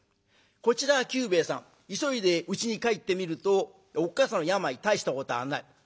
こちらは久兵衛さん急いでうちに帰ってみるとおっ母さんの病大したことはない。